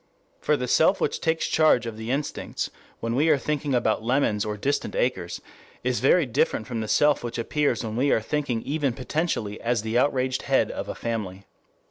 For the self which takes charge of the instincts when we are thinking about lemons or distant acres is very different from the self which appears when we are thinking even potentially as the outraged head of a family.